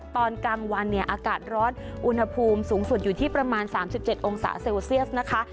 ตอนกลางวันเนี่ยอากาศร้อนอุณหภูมิสูงสุดอยู่ที่ประมาณ๓๗องศาเซลเซียสนะคะ